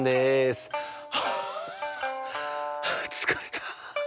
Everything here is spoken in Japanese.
はあはあつかれた。